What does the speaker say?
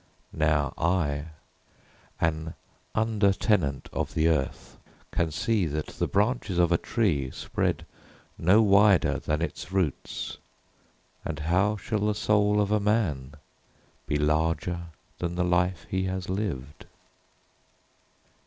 Now I, an under tenant of the earth, can see That the branches of a tree Spread no wider than its roots. And how shall the soul of a man Be larger than the life he has lived?